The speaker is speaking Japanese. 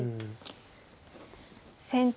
先手